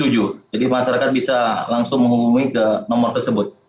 masyarakat bisa langsung menghubungi ke nomor tersebut